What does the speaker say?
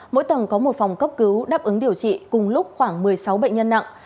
mỗi tầng có một phòng cấp cứu đáp ứng điều trị cùng lúc khoảng một mươi sáu bệnh nhân nặng